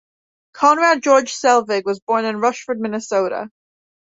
Conrad George Selvig was born in Rushford, Minnesota.